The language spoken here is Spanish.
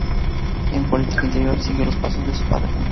En política interior siguió los pasos de su padre.